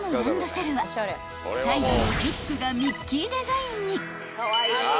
［サイドのフックがミッキーデザインに］